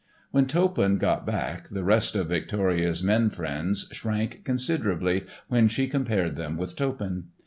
When Toppan got back, the rest of Victoria's men friends shrank considerably when she compared them with Toppan.